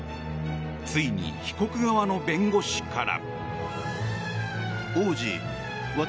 ついに被告側の弁護士から。